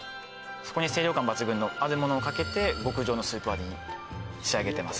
そこに清涼感抜群のあるものをかけて極上のスープ割りに仕上げてます